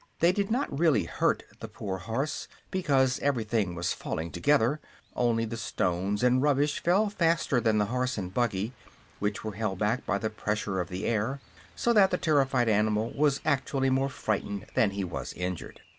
They did not really hurt the poor horse, because everything was falling together; only the stones and rubbish fell faster than the horse and buggy, which were held back by the pressure of the air, so that the terrified animal was actually more frightened than he was injured.